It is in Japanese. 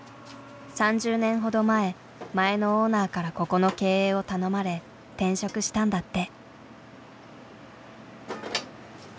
３０年ほど前前のオーナーからここの経営を頼まれ転職したんだって。